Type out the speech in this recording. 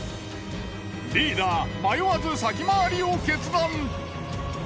リーダー迷わず先回りを決断。